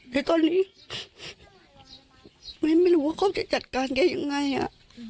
แต่ตอนนี้ไม่รู้ว่าเขาจะจัดการแกยังไงอ่ะ